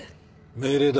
命令だ。